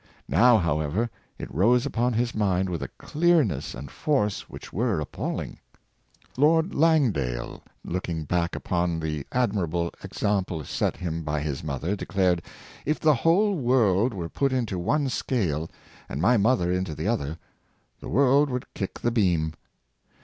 Now, however, it rose upon his mind with a clearness and force which were appalling Lord Langdale, looking back upon the admirable ex ample set him by his mother, declared, '' If the whole world were put into one scale, and my mother into the other, the world would kick the bea^m."